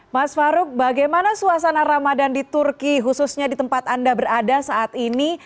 mas farouk bagaimana suasana ramadan di turki khususnya di tempat anda berada saat ini